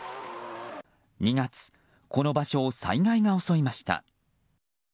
２月、この場所を災害が襲いました。